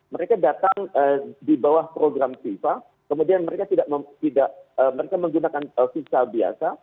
mereka datang di bawah program fifa kemudian mereka menggunakan visa biasa